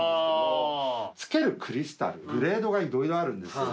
付けるクリスタルグレードが色々あるんです。